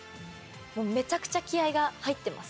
めちゃくちゃ気合が入ってます。